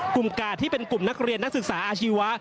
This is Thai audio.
กาดที่เป็นกลุ่มนักเรียนนักศึกษาอาชีวะ